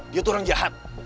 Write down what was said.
dia tuh orang jahat